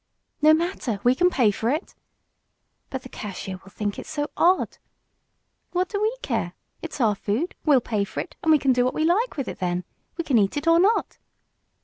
"No matter, we can pay for it." "But the cashier will think it so odd." "What do we care. It's our food we'll pay for it, and we can do what we like with it then. We can eat it or not."